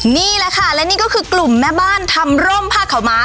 นี่แหละค่ะและนี่ก็คือกลุ่มแม่บ้านทำร่มผ้าขาวม้า